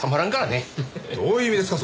どういう意味ですか！？